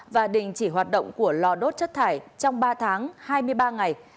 và đình chỉ hoạt động của lò đốt chất thải trong ba tháng hai mươi ba ngày